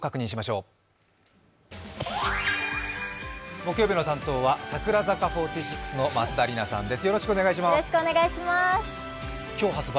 木曜日の担当は櫻坂４６の松田里奈さんです。